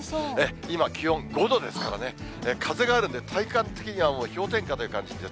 今、気温５度ですからね、風があるんで、体感的にはもう氷点下という感じです。